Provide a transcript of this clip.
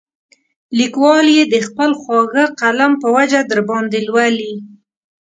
لیکوال یې د خپل خواږه قلم په وجه درباندې لولي.